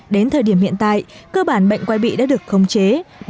đến thời điểm hiện tại cơ bản bệnh quay bị đã được khống chế